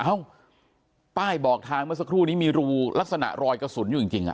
เอ้าป้ายบอกทางเมื่อสักครู่นี้มีรูลักษณะรอยกระสุนอยู่จริง